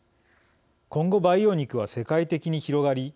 今後、培養肉は世界的に広がり